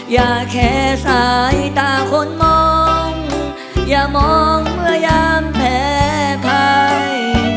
อย่าแค่สายตาคนมองอย่ามองเมื่อยามแพ้ไทย